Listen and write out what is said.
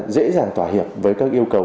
dễ dàng tỏa hiệp với các yêu cầu